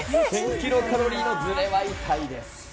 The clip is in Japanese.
キロカロリーのずれは痛いです。